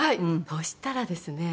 そしたらですね